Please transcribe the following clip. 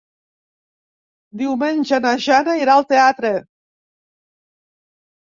Diumenge na Jana irà al teatre.